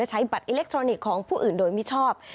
ใช้บัตรอิเล็กทรอนิกส์ของผู้อื่นโดยมิชอบ